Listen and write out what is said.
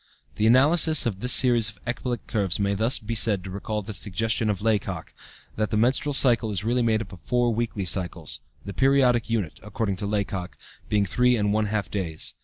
The analysis of this series of ecbolic curves may thus be said to recall the suggestion of Laycock, that the menstrual cycle is really made up of four weekly cycles, the periodic unit, according to Laycock, being three and one half days.